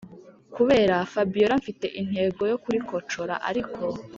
kureba fabiora mfite intego yo kurikocora ariko